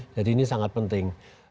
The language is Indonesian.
jadi ini sangat penting